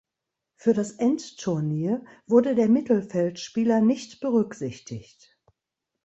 Für das Endturnier wurde der Mittelfeldspieler nicht berücksichtigt.